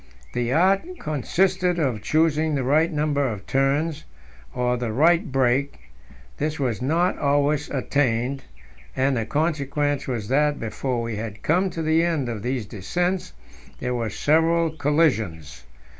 The art consisted in choosing the right number of turns, or the right brake; this was not always attained, and the consequence was that, before we had come to the end of these descents, there were several collisions.